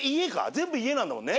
全部家なんだもんね。